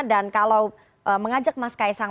dan kalau mengajak mas kaisang